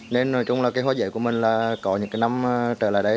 nên hóa giấy của mình có những năm trở lại đây